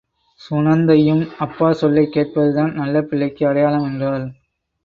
சுநந்தையும் அப்பா சொல்லைக்கேட்பதுதான் நல்ல பிள்ளைக்கு அடையாளம் என்றாள்.